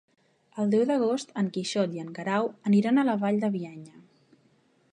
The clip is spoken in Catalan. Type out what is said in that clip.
El deu d'agost en Quixot i en Guerau aniran a la Vall de Bianya.